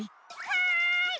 はい！